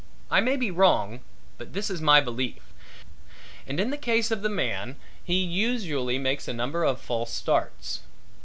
I may be wrong but this is my belief. And in the case of the man he usually makes a number of false starts.